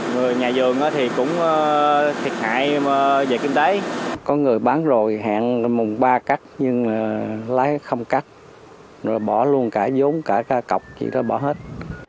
người nhà vườn thì cũng thiệt hại về kinh tế có người bán rồi hẹn mùng ba cắt nhưng lái không cắt rồi bỏ luôn cả vốn cả cọc chỉ là bỏ hết